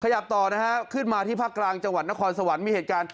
ต่อนะฮะขึ้นมาที่ภาคกลางจังหวัดนครสวรรค์มีเหตุการณ์